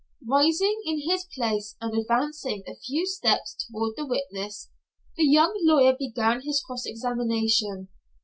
Rising in his place, and advancing a few steps toward the witness, the young lawyer began his cross examination.